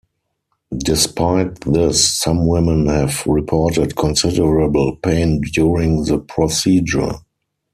Despite this, some women have reported considerable pain during the procedure.